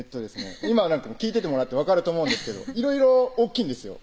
今聞いててもらって分かると思うんですけどいろいろ大っきいんですよ